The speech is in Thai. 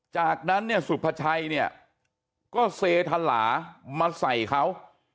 จากนั้นสุปชัยเนี่ยก็เซทหลามาใส่เขา